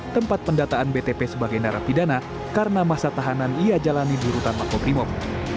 tempat pendataan btp sebagai narapidana karena masa tahanan ia jalanin dirutan makobrimob